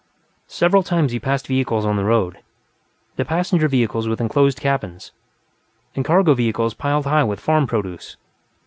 Several times he passed vehicles on the road the passenger vehicles with enclosed cabins, and cargo vehicles piled high with farm produce.